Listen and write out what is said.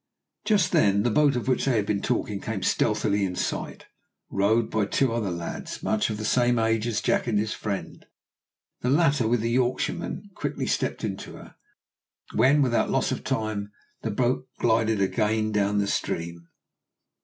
Just then the boat of which they had been talking came stealthily in sight, rowed by two other lads, much of the same age as Jack and his friend. The latter with the Yorkshireman quickly stepped into her, when without loss of time the boat glided again down the stream.